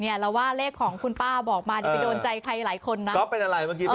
นี่ศเหรอวะเลขของคุณป้าบอกมานี่เป็นโดนใจใครหมดหลายคนนะ